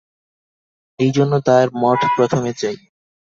এইজন্য তাঁর মঠ প্রথমে চাই।